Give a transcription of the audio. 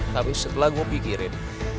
tapi setelah gue pikirin